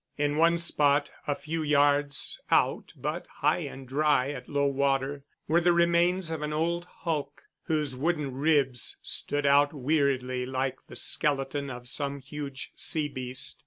In one spot, a few yards out but high and dry at low water, were the remains of an old hulk, whose wooden ribs stood out weirdly like the skeleton of some huge sea beast.